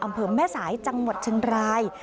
อำเภอแม่สายจังหวัดเชียงราย